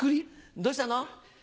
どうしたの？